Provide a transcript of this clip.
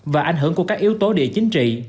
và ảnh hưởng của các yếu tố địa chính trị